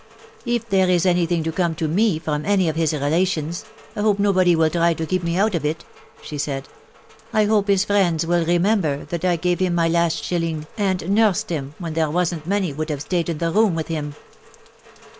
"If there is anything to come to vie from any of his relations, I hope nobody will try to keep me out of it/' she said. "I hope his friends will remember that I gave him my last shilling, and nursed him when there wasn't many would have stayed in the room with him?"